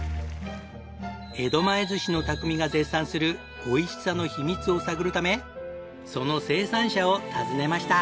江戸前寿司の匠が絶賛するおいしさの秘密を探るためその生産者を訪ねました。